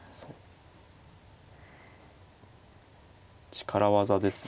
力技ですね。